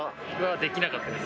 できなかったです。